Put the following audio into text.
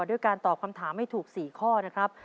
ด้วยการตอบคำถามให้ถูก๔ข้อนะครับ